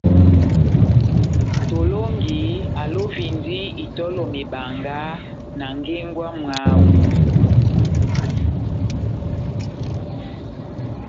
Tolɔngi alovindi itɔlɔ mebanga na ngengo ya mwáho.